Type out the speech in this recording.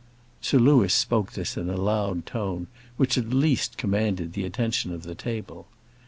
Sir Louis spoke this in a loud tone, which at least commanded the attention of the table.